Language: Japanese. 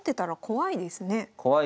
怖いですねえ。